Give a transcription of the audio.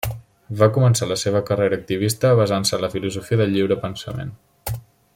Va començar la seva carrera activista basant-se en la filosofia del lliure pensament.